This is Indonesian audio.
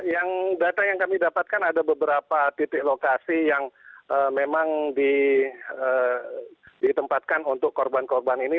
yang data yang kami dapatkan ada beberapa titik lokasi yang memang ditempatkan untuk korban korban ini